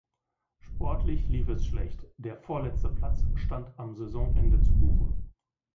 Sportlich lief es schlecht, der vorletzte Platz stand am Saisonende zu Buche.